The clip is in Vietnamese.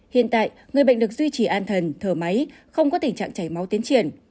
hiện tại người bệnh được duy trì an thần thở máy không có tình trạng chảy máu tiến triển